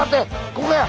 ここや！